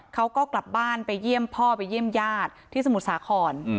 เขาก็กลับบ้านไปเยี่ยมพ่อไปเยี่ยมญาติที่สมุทรสาคร